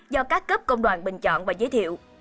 do các cấp công đoàn bình chọn và giới thiệu